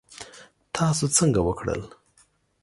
تاسو څنګه وکړل؟